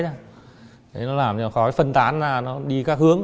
thế nó làm cho khói phân tán ra nó đi các hướng